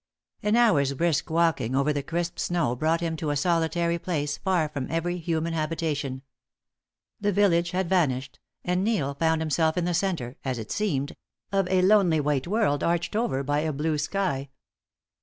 An hour's brisk walking over the crisp snow brought him to a solitary place far from every human habitation. The village had vanished, and Neil found himself in the centre as it seemed of a lonely white world arched over by a blue sky.